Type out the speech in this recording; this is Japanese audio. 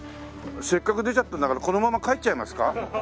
せっかく出ちゃったんだからこのまま帰っちゃいますか？